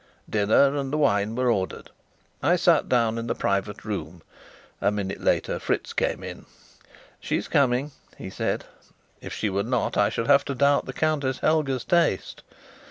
Dinner and the wine were ordered. I sat down in the private room. A minute later Fritz came in. "She's coming," he said. "If she were not, I should have to doubt the Countess Helga's taste."